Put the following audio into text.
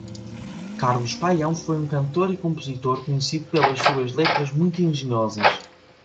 Carlos Paião foi um cantor e compositor, conhecido pelas suas letras muito engenhosas.